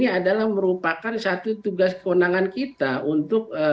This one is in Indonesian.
ini adalah merupakan satu tugas kewenangan kita untuk